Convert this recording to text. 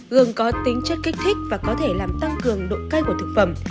gừng có tính chất kích thích và có thể làm tăng cường độ cay của thực phẩm